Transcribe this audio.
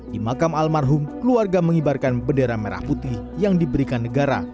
di makam almarhum keluarga mengibarkan bendera merah putih yang diberikan negara